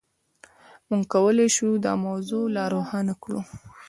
موږ کولای شو دا موضوع لا روښانه کړو.